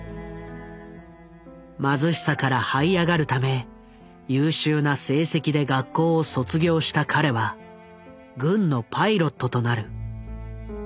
貧しさからはい上がるため優秀な成績で学校を卒業した彼は軍のパイロットとなる。